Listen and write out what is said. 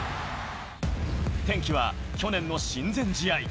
転機は去年の親善試合。